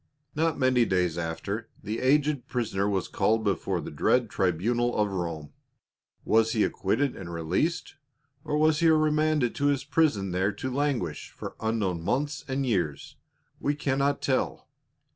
Not many days after, the aged prisoner was called before the dread tribunal of Rome. Was he acquitted and released, or was he remanded to his prison there to languish for unknown months and years ? We cannot tell.